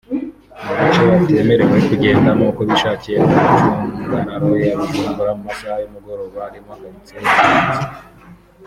Mu bice batemerewe kugendamo uko bishakiye mu micungararo ya Bujumbura mu masaha y’umugoroba harimo Karitsiye ya Buyenzi